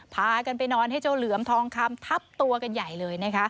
พากันไปนอนให้เจ้าเหลือมทองคำทับตัวกันใหญ่เลยนะคะ